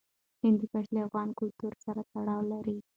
هندوکش له افغان کلتور سره تړاو لري.